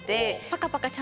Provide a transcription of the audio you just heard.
パカパカ。